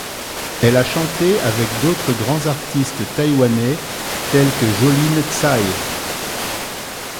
Elle a chanté avec d'autres grands artistes taïwanais tel que Jolin Tsai.